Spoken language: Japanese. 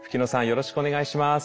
よろしくお願いします。